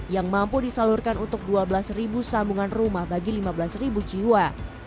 yang mampu disalurkan untuk dua belas sambungan rumah bagi lima belas jiwa